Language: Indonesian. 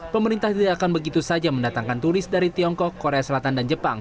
pemerintah tidak akan begitu saja mendatangkan turis dari tiongkok korea selatan dan jepang